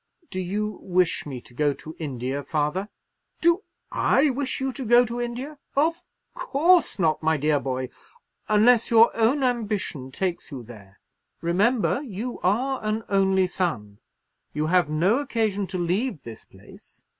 "Do you wish me to go to India, father?" "Do I wish you to go to India! Of course not, my dear boy, unless your own ambition takes you there. Remember, you are an only son. You have no occasion to leave this place.